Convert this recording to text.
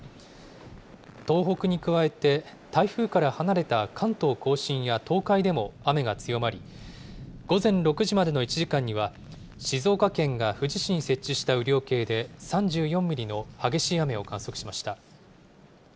東北に加えて、台風から離れた関東甲信や東海でも雨が強まり、午前６時までの１時間には、静岡県が富士市に設置した雨量計で３４ミリの激しい雨を観測しました。